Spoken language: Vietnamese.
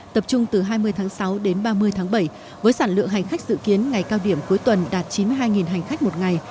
tập trung từ hai mươi tháng sáu đến ba mươi tháng bảy với sản lượng hành khách dự kiến ngày cao điểm cuối tuần đạt chín mươi hai hành khách một ngày